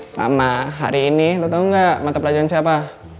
sama hari ini lo tau ga mata pelajaran siapa